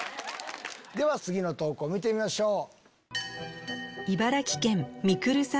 では次の投稿見てみましょう。